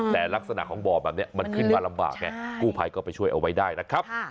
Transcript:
แต่ลักษณะของบ่อแบบนี้มันขึ้นมาลำบากไงกู้ภัยก็ไปช่วยเอาไว้ได้นะครับ